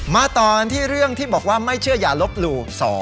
มาต่อกันที่เรื่องที่บอกว่าไม่เชื่ออย่าลบหลู่